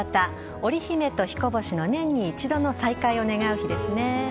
織り姫とひこ星の年に一度の再会を願う日ですね。